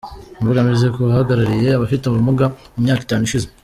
Imbogamizi k’uhagarariye abafite ubumuga mu myaka itanu ishize.